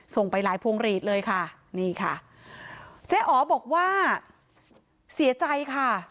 ไปหลายพวงหลีดเลยค่ะนี่ค่ะเจ๊อ๋อบอกว่าเสียใจค่ะ